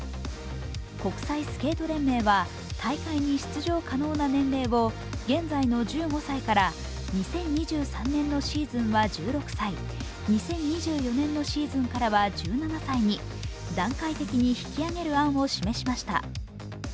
国際スケート連盟は大会に出場可能な年齢を現在の１５歳から２０２３年のシーズンは１６歳、２０２４年のシーズンからは１７歳に、段階的に引き上げる案を示しました。